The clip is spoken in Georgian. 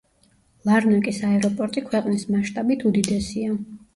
ლარნაკის აეროპორტი ქვეყნის მასშტაბით უდიდესია.